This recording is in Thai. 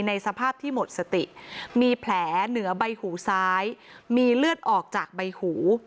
สภาพที่หมดสติมีแผลเหนือใบหูซ้ายมีเลือดออกจากใบหู